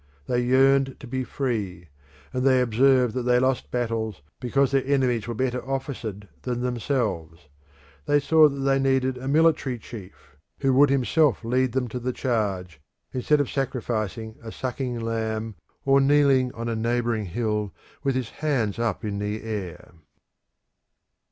They yearned to be free, and they observed that they lost battles because their enemies were better officered than themselves. They saw that they needed a military chief who would himself lead them to the charge, instead of sacrificing a sucking lamb or kneeling on a neighbouring hill with his hands up in the air.